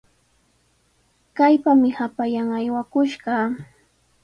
¡Kaypami hapallan aywakushqa!